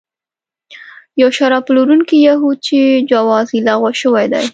یو شراب پلورونکی یهود چې جواز یې لغوه شوی دی.